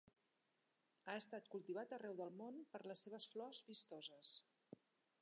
Ha estat cultivat arreu del món per les seves flors vistoses.